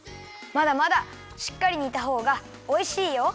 まだまだしっかりにたほうがおいしいよ。